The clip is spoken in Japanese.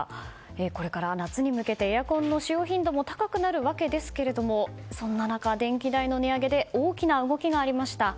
こらから夏に向けてエアコンの使用頻度も高くなるわけですがそんな中、電気代の値上げで大きな動きがありました。